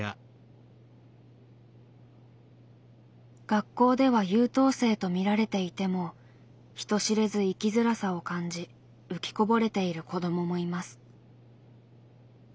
学校では優等生と見られていても人知れず生きづらさを感じ浮きこぼれている子どももいます。